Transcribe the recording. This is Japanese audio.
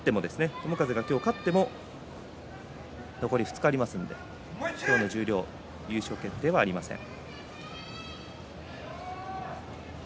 友風が今日、勝っても残り２日ありますので今日の十両優勝の決定はありません。